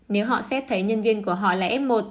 nếu họ xét thấy nhân viên của họ là f một